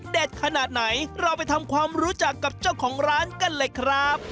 ขนาดไหนเราไปทำความรู้จักกับเจ้าของร้านกันเลยครับ